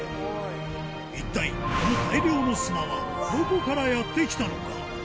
一体、この大量の砂は、どこからやって来たのか。